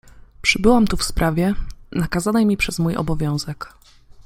Przybyłam tu w sprawie, nakazanej mi przez mój obowiązek.